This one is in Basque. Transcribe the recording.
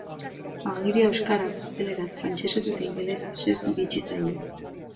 Agiria euskaraz, gazteleraz, frantsesez eta ingelesez iritsi zaie.